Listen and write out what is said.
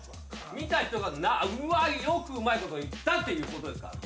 見た人が「よくうまいこといった」っていうことですから。